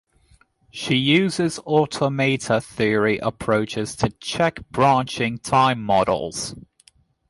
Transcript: She uses automata theory approaches to check branching time models.